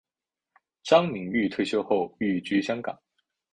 张敏钰退休后寓居香港。